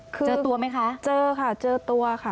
เจอตัวไหมคะเจอค่ะเจอตัวค่ะ